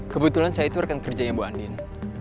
kebetulan saya itu rekan kerjanya bu andin